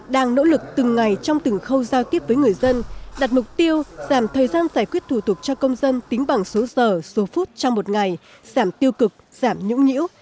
đang nỗ lực từng ngày trong từng khâu giao tiếp với người dân đặt mục tiêu giảm thời gian giải quyết thủ tục cho công dân tính bằng số giờ số phút trong một ngày giảm tiêu cực giảm nhũng nhiễu